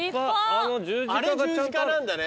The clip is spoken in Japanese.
あれ十字架なんだね。